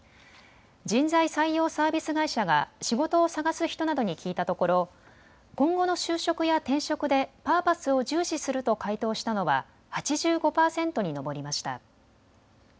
人材採用サービス会社が仕事を探す人などに聞いたところ今後の就職や転職でパーパスを重視すると回答したのは８５％に上りました。